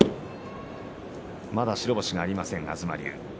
まだ白星がありません、東龍です。